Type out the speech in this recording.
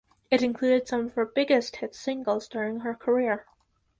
It included some of her biggest hit singles during her career.